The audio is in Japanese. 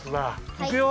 いくよ！